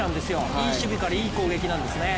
いい守備からいい攻撃なんですね。